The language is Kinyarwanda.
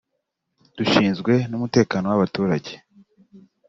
"Dushinzwe n’umutekano w’abaturage